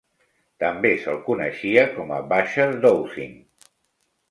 També se'l coneixia com a "Basher Dowsing".